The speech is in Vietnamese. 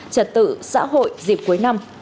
trật tự xã hội dịp cuối năm